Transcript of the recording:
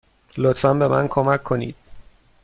لطفا به من کمک کنید.